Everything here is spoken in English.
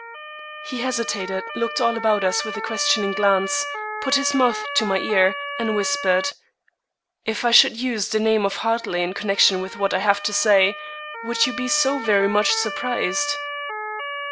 He hesitated, looked all about us with a questioning glance, put his mouth to my ear, and whispered: "If I should use the name of Hartley in connection with what I have to say, would you be so very much surprised?"